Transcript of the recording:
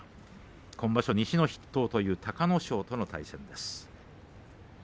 今場所、西の筆頭という隆の勝との対戦です。